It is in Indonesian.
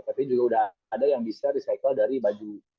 tapi juga udah ada yang bisa recycle dari baju